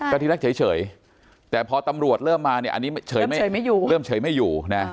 ก็ที่นักเฉยแต่พอตำรวจเริ่มมาเนี่ยเริ่มเฉยไม่อยู่